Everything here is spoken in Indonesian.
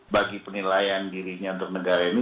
bagi penilaian dirinya untuk negara ini